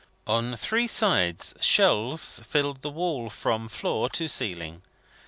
On three sides, shelves filled the walls, from floor to ceiling.